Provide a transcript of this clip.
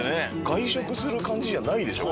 外食する感じじゃないでしょ。